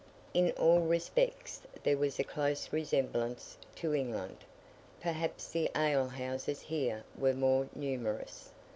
In all respects there was a close resemblance to England: perhaps the alehouses here were more numerous.